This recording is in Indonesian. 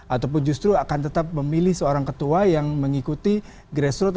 ataupun justru akan tetap memilih seorang ketua yang mengikuti grassroot